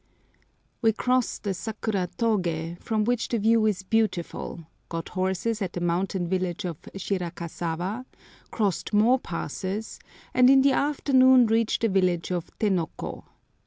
We crossed the Sakuratogé, from which the view is beautiful, got horses at the mountain village of Shirakasawa, crossed more passes, and in the afternoon reached the village of Tenoko.